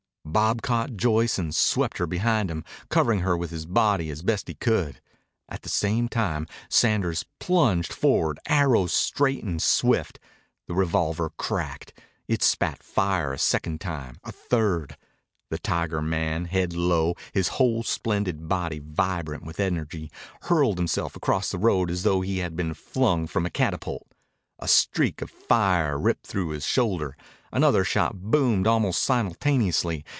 Bob caught Joyce and swept her behind him, covering her with his body as best he could. At the same time Sanders plunged forward, arrow straight and swift. The revolver cracked. It spat fire a second time, a third. The tiger man, head low, his whole splendid body vibrant with energy, hurled himself across the road as though he had been flung from a catapult. A streak of fire ripped through his shoulder. Another shot boomed almost simultaneously.